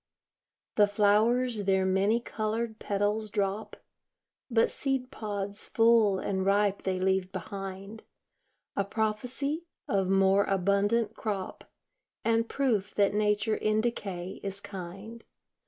The flowers their many colored petals drop; But seed pods full and ripe they leave behind, A prophecy of more abundant crop, And proof that nature in decay is kind.